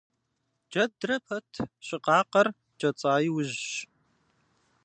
Джэдрэ пэт щыкъакъэр кӀэцӀа иужьщ.